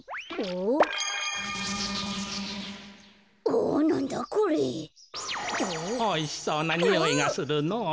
おいしそうなにおいがするのぉ。